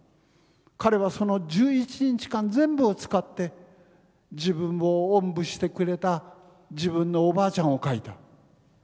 彼はその１１日間全部を使って自分をおんぶしてくれた自分のお婆ちゃんを描いた。